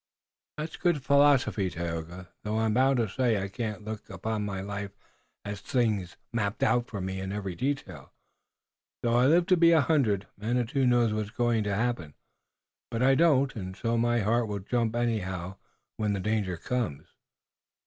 "That's good philosophy, Tayoga, though I'm bound to say I can't look upon my life as a thing mapped out for me in every detail, though I live to be a hundred. Manitou knows what's going to happen, but I don't, and so my heart will jump anyhow when the danger comes.